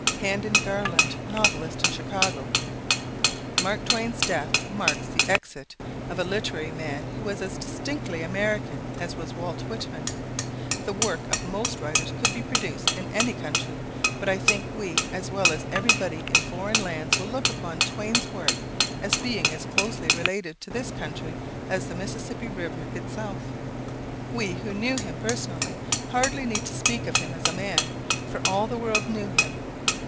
Handin Garland, novelist, in Chicago: "Mark Twain's death marks the exit of a literary man who was as distinctly American as was Walt Whitman. The work of most writers could be produced in any country, but I think we, as well as everybody in foreign lands will look upon Twain's work as being as closely related to this country as the Mississippi River itself. We who knew him personally hardly need to speak of him as a man, for all the world knew him.